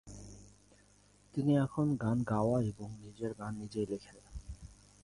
তিনি এখন গান গাওয়া এবং নিজের গান নিজেই লিখছেন।